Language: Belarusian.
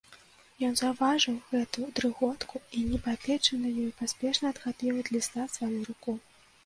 Ён заўважыў гэту дрыготку і, нібы апечаны ёй, паспешна адхапіў ад ліста сваю руку.